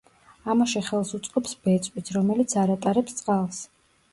ამაში ხელს უწყობს ბეწვიც, რომელიც არ ატარებს წყალს.